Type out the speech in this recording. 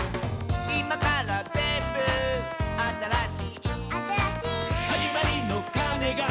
「いまからぜんぶあたらしい」「あたらしい」「はじまりのかねが」